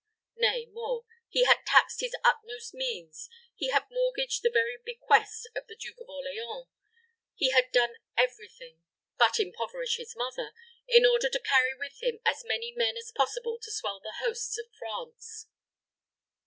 Nay more, he had taxed his utmost means, he had mortgaged the very bequest of the Duke of Orleans, he had done every thing but impoverish his mother in order to carry with him as many men as possible to swell the hosts of France.